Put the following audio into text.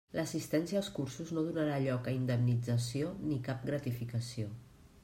L'assistència als cursos no donarà lloc a indemnització ni cap gratificació.